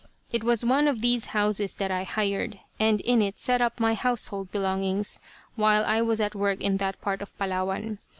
It was one of these houses that I hired, and in it set up my household belongings while I was at work in that part of Palawan.